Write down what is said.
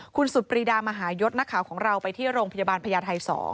คุณสุดปรีดามหายศนักข่าวของเราไปที่โรงพยาบาลพญาไทย๒